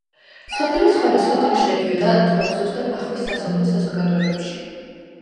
სოფელი სხვადასხვა დროს შედიოდა დვაბზუს და ბახვის სასოფლო საზოგადოებებში.